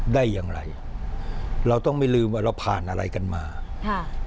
ได้อย่างไรเราต้องไม่ลืมว่าเราผ่านอะไรกันมาค่ะ